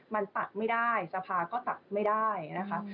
มันตัดไม่ได้สภาก็ตัดไม่ได้นะคะ